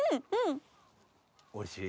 おいしい？